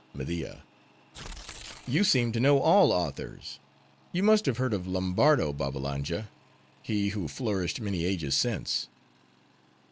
MEDIA—You seem to know all authors:—you must have heard of Lombardo, Babbalanja; he who flourished many ages since.